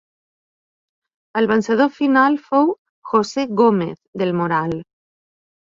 El vencedor final fou José Gómez del Moral.